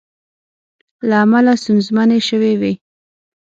له امله ستونزمنې شوې وې